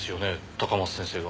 高松先生が。